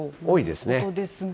多いですね。